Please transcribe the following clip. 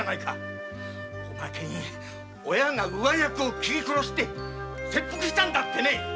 おまけに親が上役を殺して切腹したんだってね。